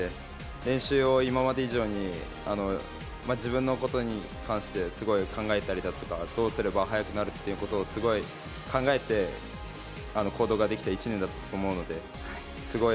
練習を今まで以上に自分のことに関して考えたりだとかどうすれば速くなるかとかすごい考えて、行動ができた１年だったと思うので。